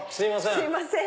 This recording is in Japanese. すいません。